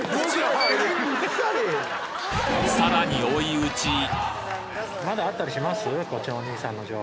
追い打ち